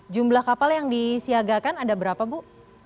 jumlah kapal yang disiagakan ada berapa bu